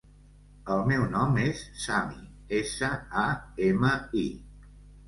El meu nom és Sami: essa, a, ema, i.